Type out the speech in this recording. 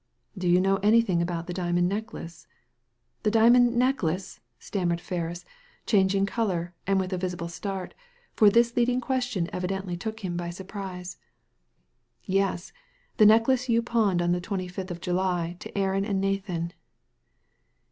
"Do you know anything about the diamond necklace ?"" The diamond necklace I '* stammered Ferris, changing colour, and with a visible start, for this leading question evidently took him by surprise Digitized by Google ARTHUR FERRIS 139 " Yes I the necklace you pawned on the twenty fifth of July to Aaron and Nathan."